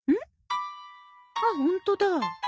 あっホントだ。